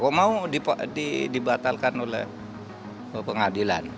kok mau dibatalkan oleh pengadilan